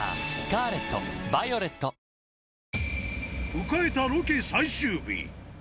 迎えたロケ最終日。